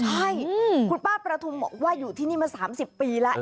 ใช่คุณป้าประทุมบอกว่าอยู่ที่นี่มา๓๐ปีแล้ว